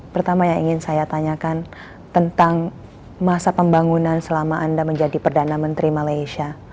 pertama yang ingin saya tanyakan tentang masa pembangunan selama anda menjadi perdana menteri malaysia